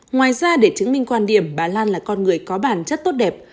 ngoài ra để chứng minh quan điểm bà lan là con người có bản chất tốt đẹp